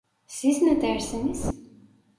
Siz ne dersiniz?